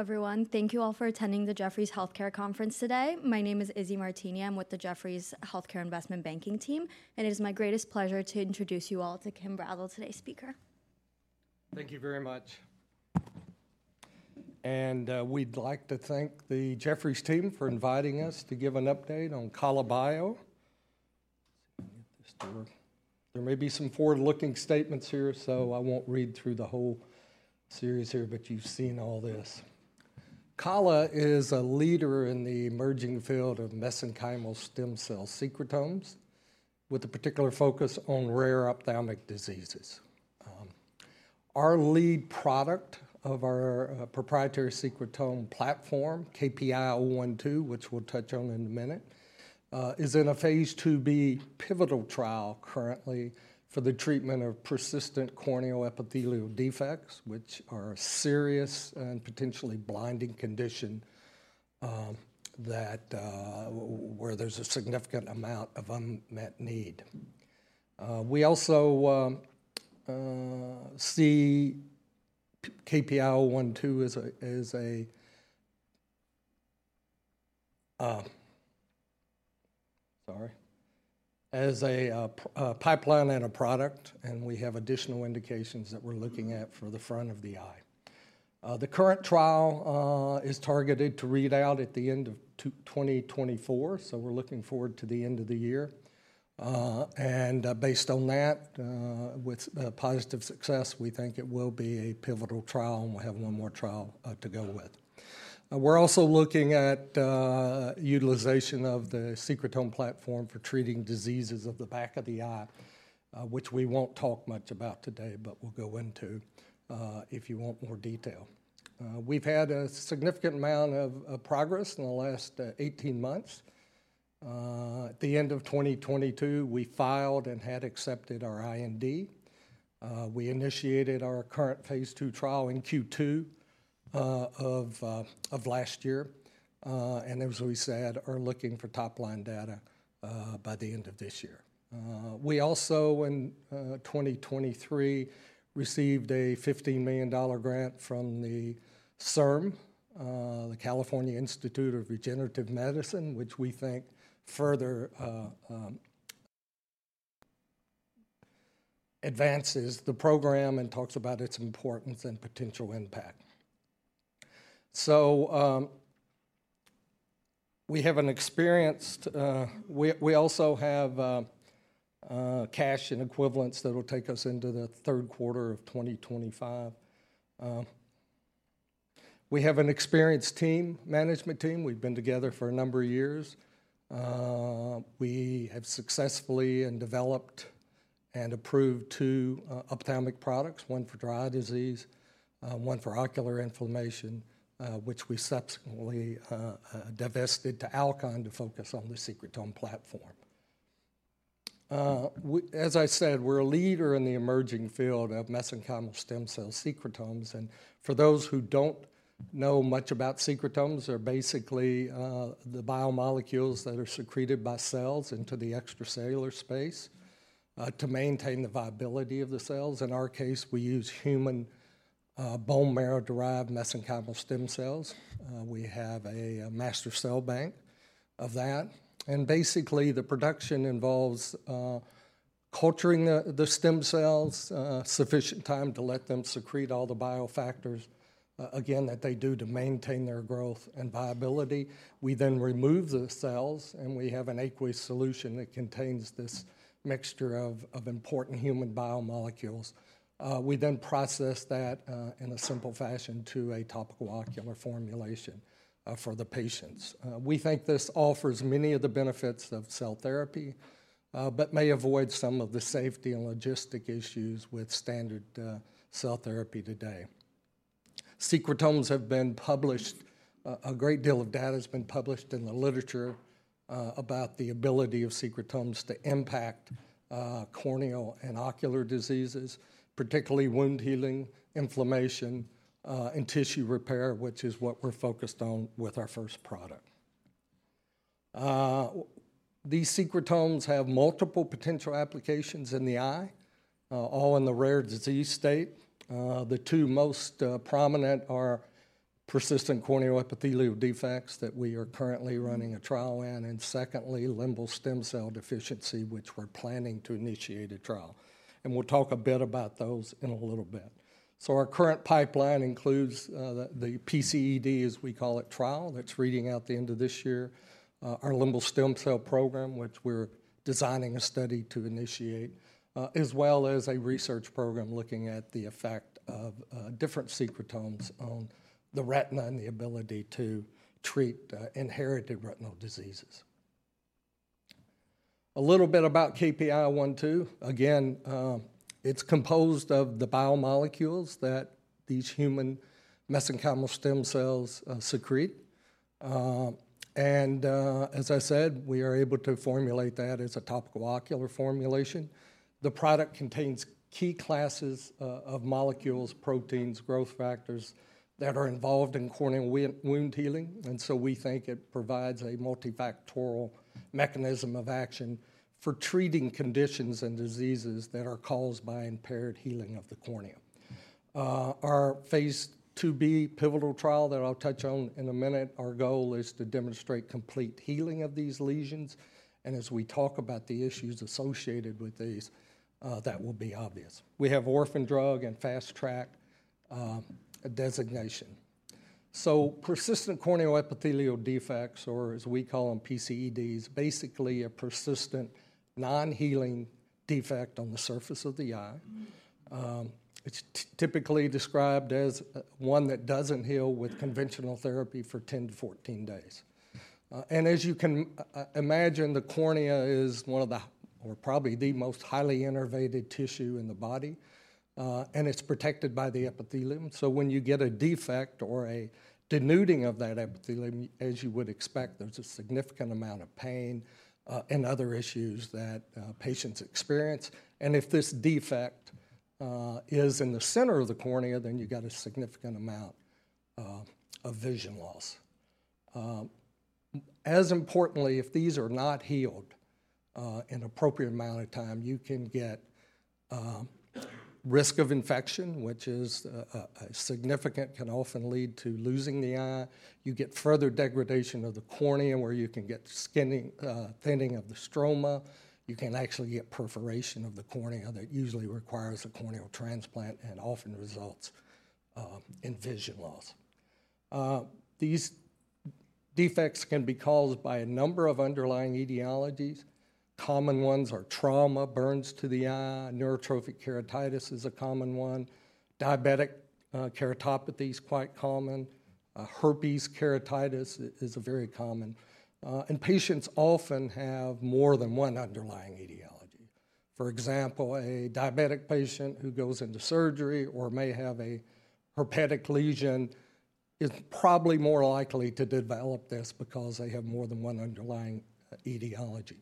Hello everyone. Thank you all for attending the Jefferies Healthcare Conference today. My name is Isi Martini. I'm with the Jefferies Healthcare Investment Banking team, and it is my greatest pleasure to introduce you all to Kim Brazzell, today's speaker. Thank you very much. We'd like to thank the Jefferies team for inviting us to give an update on Kala Bio. Let's see if this works. There may be some forward-looking statements here, so I won't read through the whole series here, but you've seen all this. Kala is a leader in the emerging field of mesenchymal stem cell secretomes, with a particular focus on rare ophthalmic diseases. Our lead product of our proprietary secretome platform, KPI-012, which we'll touch on in a minute, is in a phase IIb pivotal trial currently for the treatment of persistent corneal epithelial defects, which are a serious and potentially blinding condition, that where there's a significant amount of unmet need. We also see KPI-012 as a, as a... Sorry, as a pipeline and a product, and we have additional indications that we're looking at for the front of the eye. The current trial is targeted to read out at the end of 2024, so we're looking forward to the end of the year. Based on that, with a positive success, we think it will be a pivotal trial, and we'll have one more trial to go with. We're also looking at utilization of the secretome platform for treating diseases of the back of the eye, which we won't talk much about today, but we'll go into if you want more detail. We've had a significant amount of progress in the last 18 months. At the end of 2022, we filed and had accepted our IND. We initiated our current phase II trial in Q2 of last year, and as we said, are looking for top-line data by the end of this year. We also, in 2023, received a $15 million grant from the CIRM, the California Institute for Regenerative Medicine, which we think further advances the program and talks about its importance and potential impact. So, we have an experienced—we also have cash and equivalents that will take us into the third quarter of 2025. We have an experienced team, management team. We've been together for a number of years. We have successfully and developed and approved two ophthalmic products, one for dry eye disease, one for ocular inflammation, which we subsequently divested to Alcon to focus on the secretome platform. As I said, we're a leader in the emerging field of mesenchymal stem cell secretomes, and for those who don't know much about secretomes, they're basically the biomolecules that are secreted by cells into the extracellular space to maintain the viability of the cells. In our case, we use human bone marrow-derived mesenchymal stem cells. We have a master cell bank of that, and basically, the production involves culturing the stem cells sufficient time to let them secrete all the biofactors, again, that they do to maintain their growth and viability. We then remove the cells, and we have an aqueous solution that contains this mixture of important human biomolecules. We then process that in a simple fashion to a topical ocular formulation for the patients. We think this offers many of the benefits of cell therapy, but may avoid some of the safety and logistic issues with standard cell therapy today. Secretomes have been published. A great deal of data has been published in the literature about the ability of secretomes to impact corneal and ocular diseases, particularly wound healing, inflammation, and tissue repair, which is what we're focused on with our first product. These secretomes have multiple potential applications in the eye, all in the rare disease state. The two most prominent are persistent corneal epithelial defects that we are currently running a trial in, and secondly, limbal stem cell deficiency, which we're planning to initiate a trial. And we'll talk a bit about those in a little bit. So our current pipeline includes the PCED, as we call it, trial, that's reading out the end of this year. Our limbal stem cell program, which we're designing a study to initiate, as well as a research program looking at the effect of different secretomes on the retina and the ability to treat inherited retinal diseases. A little bit about KPI-012. Again, it's composed of the biomolecules that these human mesenchymal stem cells secrete. And as I said, we are able to formulate that as a topical ocular formulation. The product contains key classes of molecules, proteins, growth factors that are involved in corneal wound healing, and so we think it provides a multifactorial mechanism of action for treating conditions and diseases that are caused by impaired healing of the cornea... our phase IIb pivotal trial that I'll touch on in a minute, our goal is to demonstrate complete healing of these lesions, and as we talk about the issues associated with these, that will be obvious. We have orphan drug and Fast Track designation. So persistent corneal epithelial defects, or as we call them, PCEDs, basically a persistent non-healing defect on the surface of the eye. It's typically described as one that doesn't heal with conventional therapy for 10-14 days. As you can imagine, the cornea is one of the, or probably the most highly innervated tissue in the body, and it's protected by the epithelium. So when you get a defect or a denuding of that epithelium, as you would expect, there's a significant amount of pain, and other issues that patients experience. If this defect is in the center of the cornea, then you've got a significant amount of vision loss. As importantly, if these are not healed in appropriate amount of time, you can get risk of infection, which is a significant, can often lead to losing the eye. You get further degradation of the cornea, where you can get skinning, thinning of the stroma. You can actually get perforation of the cornea that usually requires a corneal transplant and often results in vision loss. These defects can be caused by a number of underlying etiologies. Common ones are trauma, burns to the eye, neurotrophic keratitis is a common one, diabetic keratopathy is quite common, herpes keratitis is a very common, and patients often have more than one underlying etiology. For example, a diabetic patient who goes into surgery or may have a herpetic lesion is probably more likely to develop this because they have more than one underlying etiology.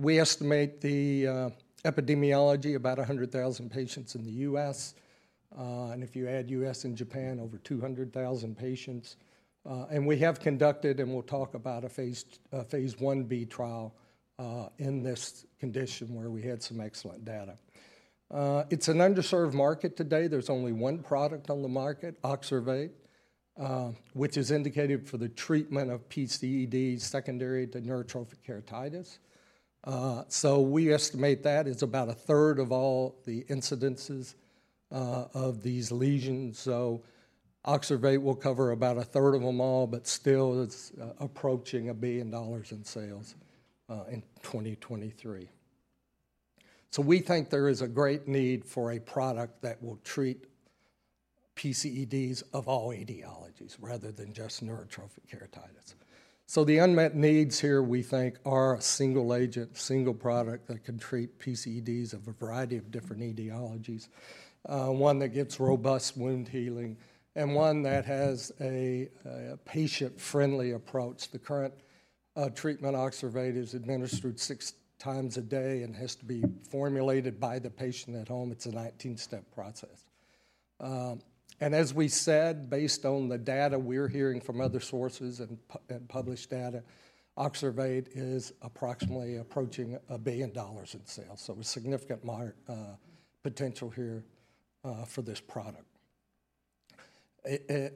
We estimate the epidemiology, about 100,000 patients in the U.S., and if you add U.S. and Japan, over 200,000 patients. and we have conducted, and we'll talk about a phase Ib trial in this condition where we had some excellent data. It's an underserved market today. There's only one product on the market, Oxervate, which is indicated for the treatment of PCEDs secondary to neurotrophic keratitis. So we estimate that is about a third of all the incidences of these lesions. So Oxervate will cover about a third of them all, but still it's approaching $1 billion in sales in 2023. So we think there is a great need for a product that will treat PCEDs of all etiologies, rather than just neurotrophic keratitis. So the unmet needs here, we think, are a single agent, single product that can treat PCEDs of a variety of different etiologies, one that gets robust wound healing, and one that has a patient-friendly approach. The current treatment, Oxervate, is administered six times a day and has to be formulated by the patient at home. It's a 19-step process. And as we said, based on the data we're hearing from other sources and published data, Oxervate is approximately approaching $1 billion in sales, so a significant potential here for this product.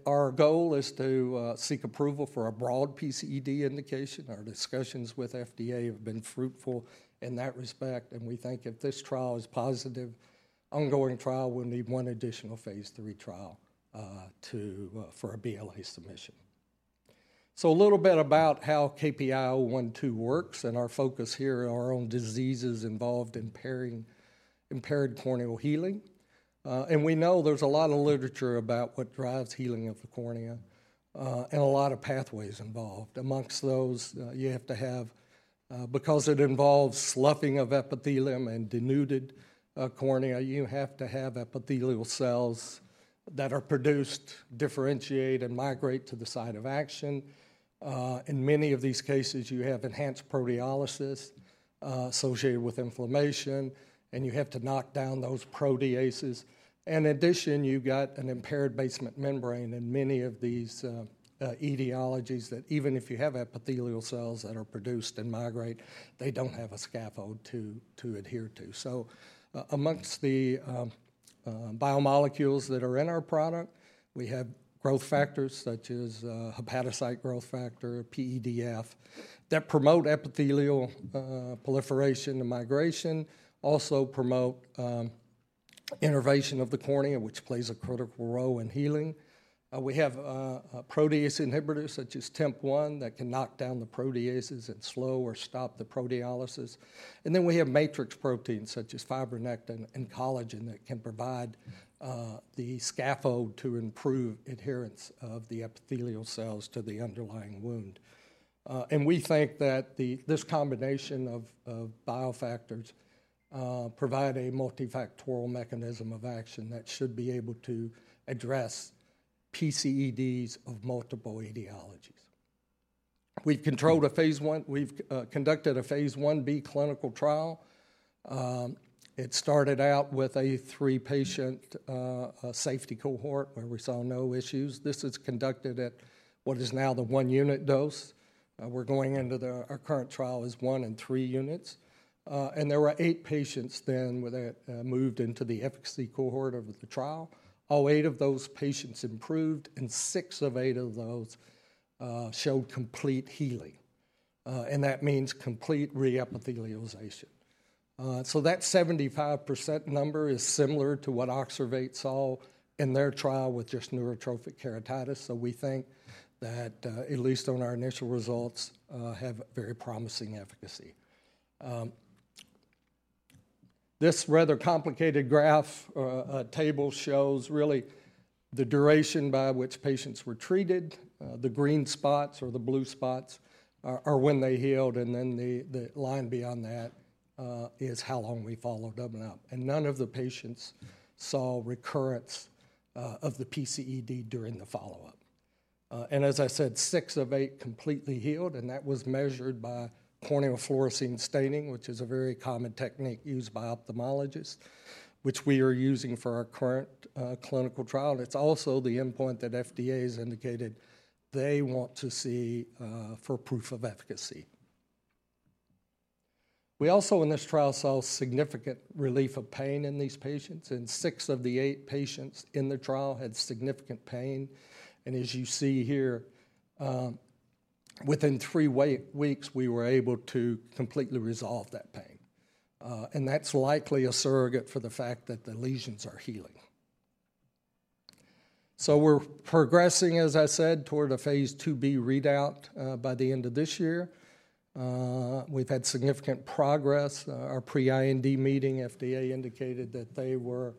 Our goal is to seek approval for a broad PCED indication. Our discussions with FDA have been fruitful in that respect, and we think if this trial is positive, ongoing trial, we'll need one additional phase III trial to for a BLA submission. So a little bit about how KPI-012 works and our focus here are on diseases involving impaired corneal healing. And we know there's a lot of literature about what drives healing of the cornea, and a lot of pathways involved. Amongst those, you have to have, because it involves sloughing of epithelium and denuded cornea, you have to have epithelial cells that are produced, differentiate, and migrate to the site of action. In many of these cases, you have enhanced proteolysis associated with inflammation, and you have to knock down those proteases. In addition, you've got an impaired basement membrane in many of these etiologies that even if you have epithelial cells that are produced and migrate, they don't have a scaffold to adhere to. So amongst the biomolecules that are in our product, we have growth factors such as hepatocyte growth factor, PEDF, that promote epithelial proliferation and migration, also promote innervation of the cornea, which plays a critical role in healing. We have a protease inhibitors such as TIMP-1, that can knock down the proteases and slow or stop the proteolysis. And then we have matrix proteins such as fibronectin and collagen that can provide the scaffold to improve adherence of the epithelial cells to the underlying wound. And we think that this combination of biofactors provide a multifactorial mechanism of action that should be able to address PCEDs of multiple etiologies. We've conducted a phase Ib clinical trial. It started out with a 3-patient safety cohort where we saw no issues. This is conducted at what is now the 1 unit dose. We're going into the... Our current trial is 1 and 3 units. And there were 8 patients then, where they moved into the efficacy cohort of the trial. All 8 of those patients improved, and 6 of 8 of those showed complete healing, and that means complete re-epithelialization. So that 75% number is similar to what Oxervate saw in their trial with just neurotrophic keratitis, so we think that, at least on our initial results, have very promising efficacy. This rather complicated graph, table shows really the duration by which patients were treated. The green spots or the blue spots are when they healed, and then the line beyond that is how long we followed them up. None of the patients saw recurrence of the PCED during the follow-up. As I said, six of eight completely healed, and that was measured by corneal fluorescein staining, which is a very common technique used by ophthalmologists, which we are using for our current clinical trial. It's also the endpoint that FDA has indicated they want to see for proof of efficacy. We also, in this trial, saw significant relief of pain in these patients, and six of the eight patients in the trial had significant pain. As you see here, within three weeks, we were able to completely resolve that pain. That's likely a surrogate for the fact that the lesions are healing. We're progressing, as I said, toward a phase IIb readout by the end of this year. We've had significant progress. Our pre-IND meeting, FDA indicated that they were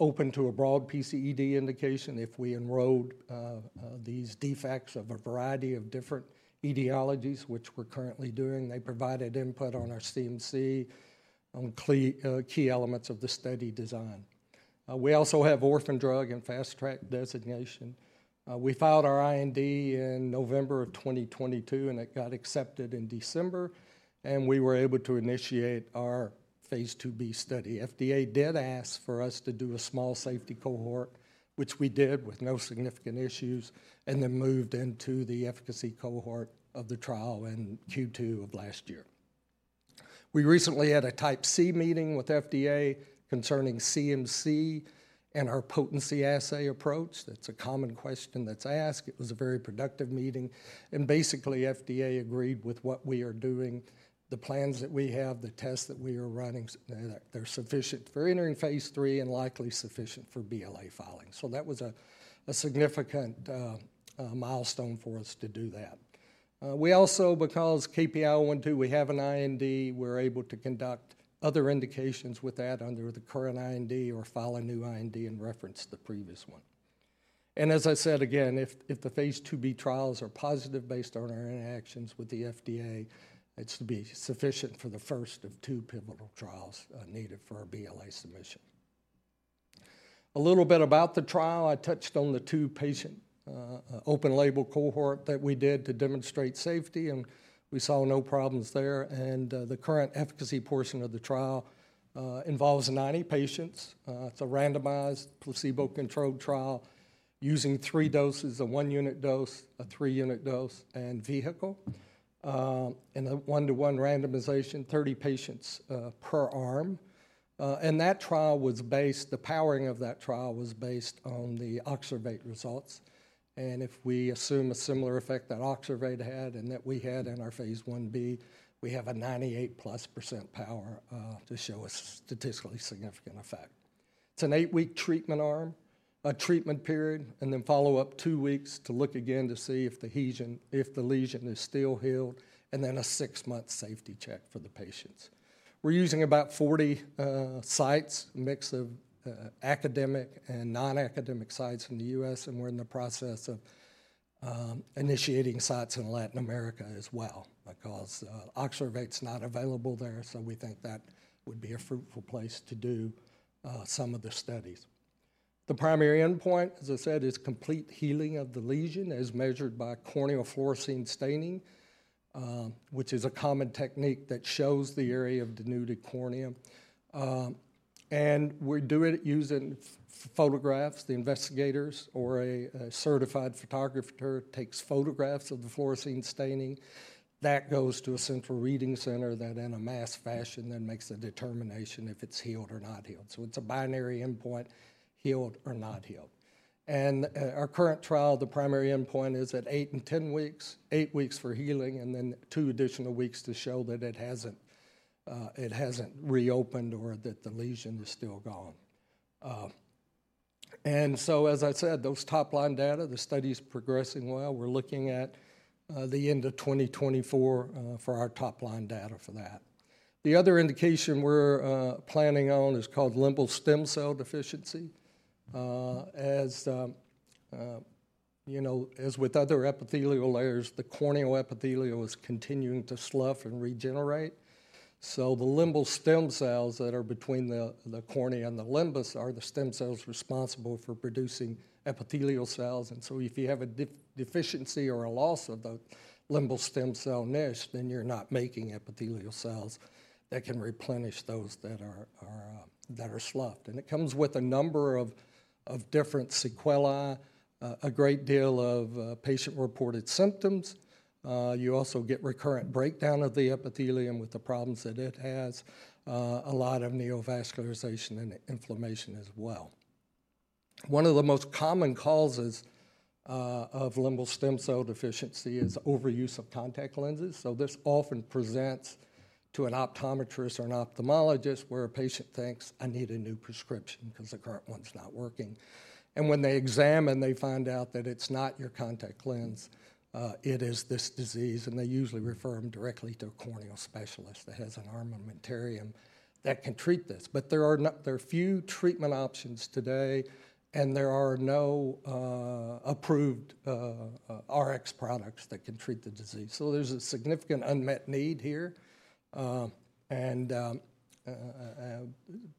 open to a broad PCED indication if we enrolled these defects of a variety of different etiologies, which we're currently doing. They provided input on our CMC, on key elements of the study design. We also have Orphan Drug and Fast Track designation. We filed our IND in November of 2022, and it got accepted in December, and we were able to initiate our phase IIb study. FDA did ask for us to do a small safety cohort, which we did with no significant issues, and then moved into the efficacy cohort of the trial in Q2 of last year. We recently had a Type C meeting with FDA concerning CMC and our potency assay approach. That's a common question that's asked. It was a very productive meeting, and basically, FDA agreed with what we are doing. The plans that we have, the tests that we are running, they're sufficient for entering phase III and likely sufficient for BLA filing. So that was a significant milestone for us to do that. We also, because KPI-012, we have an IND, we're able to conduct other indications with that under the current IND or file a new IND and reference the previous one. As I said again, if the Phase IIb trials are positive based on our interactions with the FDA, it's to be sufficient for the first of 2 pivotal trials needed for our BLA submission. A little bit about the trial. I touched on the 2-patient open label cohort that we did to demonstrate safety, and we saw no problems there. The current efficacy portion of the trial involves 90 patients. It's a randomized, placebo-controlled trial using 3 doses, a 1-unit dose, a 3-unit dose, and vehicle, and a 1-to-1 randomization, 30 patients per arm. And that trial was based—the powering of that trial was based on the Oxervate results, and if we assume a similar effect that Oxervate had and that we had in our phase Ib, we have a 98+% power to show a statistically significant effect. It's an 8-week treatment arm, a treatment period, and then follow-up 2 weeks to look again to see if the lesion, if the lesion is still healed, and then a 6-month safety check for the patients. We're using about 40 sites, a mix of academic and non-academic sites from the U.S., and we're in the process of initiating sites in Latin America as well, because Oxervate's not available there, so we think that would be a fruitful place to do some of the studies. The primary endpoint, as I said, is complete healing of the lesion, as measured by corneal fluorescein staining, which is a common technique that shows the area of denuded cornea. And we do it using photographs. The investigators or a certified photographer takes photographs of the fluorescein staining. That goes to a central reading center that, in a mass fashion, then makes a determination if it's healed or not healed. So it's a binary endpoint, healed or not healed. And, our current trial, the primary endpoint, is at 8 and 10 weeks, 8 weeks for healing and then 2 additional weeks to show that it hasn't, it hasn't reopened or that the lesion is still gone. And so, as I said, those top-line data, the study's progressing well. We're looking at the end of 2024 for our top-line data for that. The other indication we're planning on is called limbal stem cell deficiency. As you know, as with other epithelial layers, the corneal epithelium is continuing to slough and regenerate. So the limbal stem cells that are between the cornea and the limbus are the stem cells responsible for producing epithelial cells. And so if you have a deficiency or a loss of the limbal stem cell niche, then you're not making epithelial cells that can replenish those that are sloughed. And it comes with a number of different sequelae, a great deal of patient-reported symptoms. You also get recurrent breakdown of the epithelium with the problems that it has, a lot of neovascularization and inflammation as well. One of the most common causes of limbal stem cell deficiency is overuse of contact lenses. So this often presents to an optometrist or an ophthalmologist, where a patient thinks, "I need a new prescription because the current one's not working." And when they examine, they find out that it's not your contact lens, it is this disease, and they usually refer them directly to a corneal specialist that has an armamentarium that can treat this. But there are few treatment options today, and there are no approved Rx products that can treat the disease. So there's a significant unmet need here, and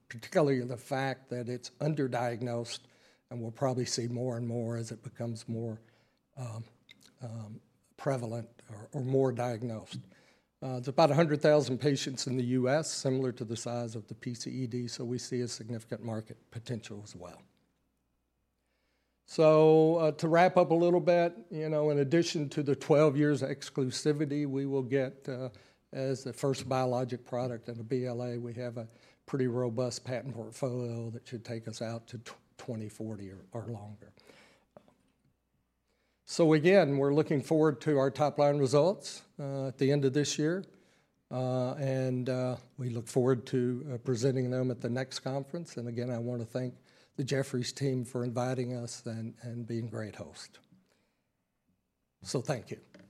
particularly the fact that it's underdiagnosed, and we'll probably see more and more as it becomes more prevalent or more diagnosed. There's about 100,000 patients in the U.S., similar to the size of the PCED, so we see a significant market potential as well. So, to wrap up a little bit, you know, in addition to the 12 years of exclusivity, we will get, as the first biologic product in the BLA, we have a pretty robust patent portfolio that should take us out to 2040 or longer. So again, we're looking forward to our top-line results at the end of this year, and we look forward to presenting them at the next conference. And again, I want to thank the Jefferies team for inviting us and being great hosts. So thank you.